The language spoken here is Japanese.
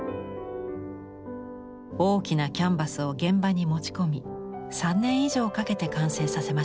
大きなキャンバスを現場に持ち込み３年以上かけて完成させました。